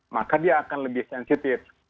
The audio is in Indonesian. maka dia akan lebih sensitif